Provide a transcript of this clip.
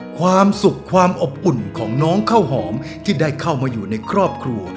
ความสุขความอบอุ่นของน้องข้าวหอมที่ได้เข้ามาอยู่ในครอบครัว